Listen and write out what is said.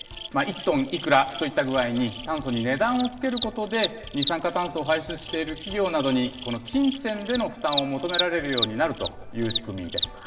１トンいくらといった具合に、炭素に値段をつけることで、二酸化炭素を排出している企業などに金銭での負担を求められるようになるという仕組みです。